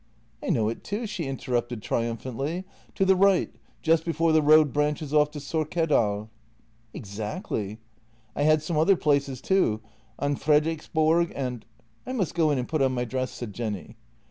" I know it too," she interrupted triumphantly, " to the right, just before the road branches off to Sorkedal." " Exactly. I had some other places too, on Fredriksborg and "" I must go in and put on my dress," said Jenny.